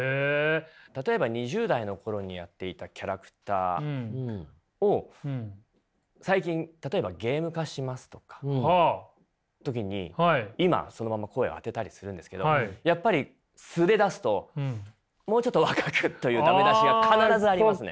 例えば２０代の頃にやっていたキャラクターを最近例えばゲーム化しますとか時に今そのまま声を当てたりするんですけどやっぱり素で出すと「もうちょっと若く」というダメ出しが必ずありますね。